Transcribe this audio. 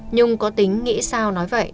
nhung có tính nghĩ sao nói vậy